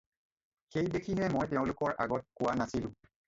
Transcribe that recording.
সেই দেখিহে মই তেওঁলোকৰ আগত কোৱা নাছিলোঁ।